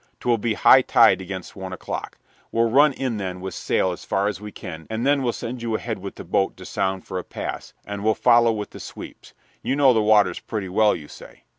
'Twill be high tide against one o'clock. We'll run in then with sail as far as we can, and then we'll send you ahead with the boat to sound for a pass, and we'll follow with the sweeps. You know the waters pretty well, you say."